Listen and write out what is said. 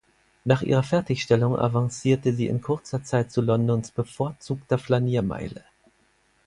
Nach ihrer Fertigstellung avancierte sie in kurzer Zeit zu Londons bevorzugter Flaniermeile.